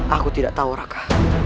aku tidak tahu raka